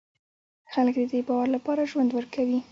خلک د دې باور لپاره ژوند ورکوي.